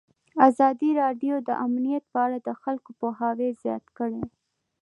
ازادي راډیو د امنیت په اړه د خلکو پوهاوی زیات کړی.